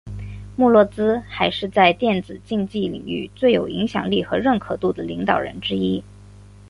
穆洛兹还是在电子竞技领域最有影响力和认可度的领导人之一。